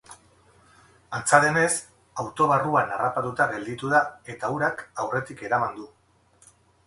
Antza denez, auto barruan harrapatuta gelditu da eta urak aurretik eraman du.